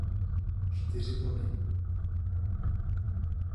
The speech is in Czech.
Čtyři body.